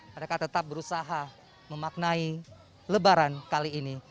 mereka tetap berusaha memaknai lebaran kali ini